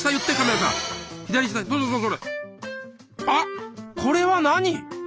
あこれは何？